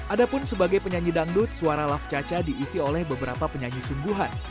adapun sebagai penyanyi dangdut suara lafcaca diisi oleh beberapa penyanyi sungguhan